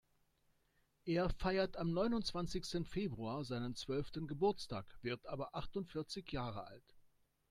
Er feiert am neunundzwanzigsten Februar seinen zwölften Geburtstag, wird aber achtundvierzig Jahre alt.